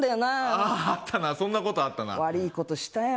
ああ、あったな、そんなこと悪いことしたよ。